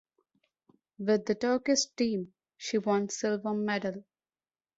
With the Turkish team, she won silver medal.